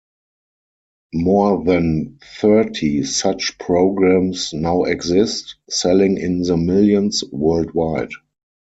More than thirty such programs now exist, selling in the millions worldwide.